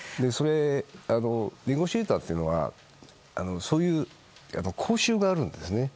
ネゴシエーターというのはそういう講習があるんですね。